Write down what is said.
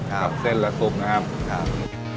กับเส้นและซุปนะครับ